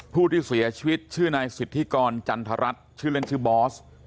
ผู้ที่เสียชีวิตชื่อนายสิทธิกรจันทรัศนชื่อเล่นชื่อบอส